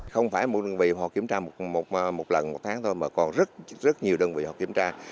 không phải mỗi đơn vị họ kiểm tra một lần một tháng thôi mà còn rất nhiều đơn vị họ kiểm tra